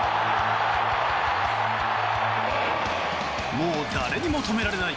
もう誰にも止められない。